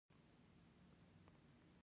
منګی هم د موسیقۍ الې په توګه کارول کیږي.